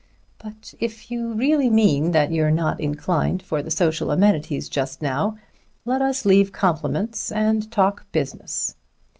But if you really mean that you're not inclined for the social amenities just now, let us leave compliments and talk business."